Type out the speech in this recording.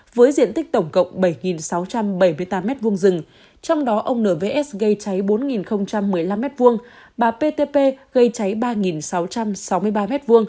với diện tích tổng cộng bảy sáu trăm bảy mươi tám m hai rừng trong đó ông nvs gây cháy bốn một mươi năm m hai bà ptp gây cháy ba sáu trăm sáu mươi ba m hai